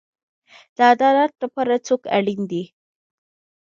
د عدالت لپاره څوک اړین دی؟